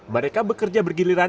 mereka bekerja bergilir